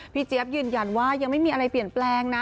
เจี๊ยบยืนยันว่ายังไม่มีอะไรเปลี่ยนแปลงนะ